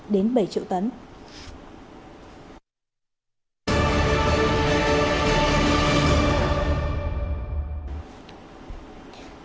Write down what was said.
đồng bằng sông kiểu long